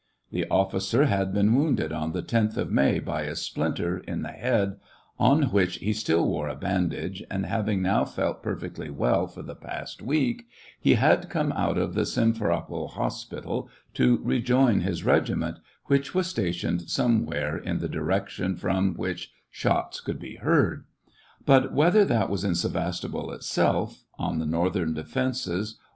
The officer had been wounded on the loth of May, by a splinter, in the head, on which he still wore a bandage, and, having now felt perfectly well for the last week, he had come out of the Simferopol Hospital, to rejoin his regiment, which was stationed somewhere in the direction from which shots could be heard ; but whether that was in Sevastopol itself, on the northern defences, SEVASTOPOL IN AUGUST.